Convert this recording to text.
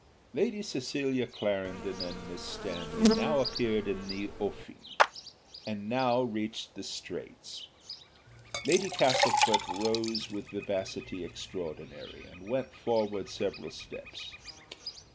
Lady Cecilia Clarendon and Miss Stanley now appeared in the offing, and now reached the straits: Lady Castlefort rose with vivacity extraordinary, and went forward several steps.